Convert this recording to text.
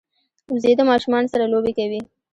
وزې د ماشومانو سره لوبې کوي